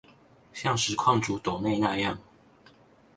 像實況主斗內那樣